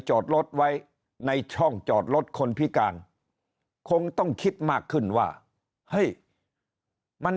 จอดรถไว้ในช่องจอดรถคนพิการคงต้องคิดมากขึ้นว่าเฮ้ยมัน